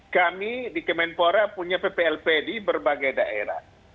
kami di kemenpora punya pplp di berbagai daerah